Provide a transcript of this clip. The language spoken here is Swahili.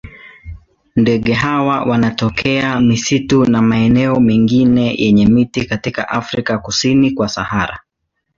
Ndege hawa wanatokea misitu na maeneo mengine yenye miti katika Afrika kusini kwa Sahara.